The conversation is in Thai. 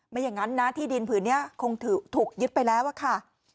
อย่างนั้นนะที่ดินผืนนี้คงถูกยึดไปแล้วอะค่ะ